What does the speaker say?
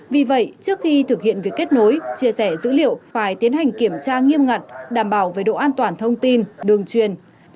vì vậy trước khi thực hiện việc kết nối chia sẻ dữ liệu phải tiến hành kiểm tra nghiêm ngặt đảm bảo về độ an toàn thông tin đường truyền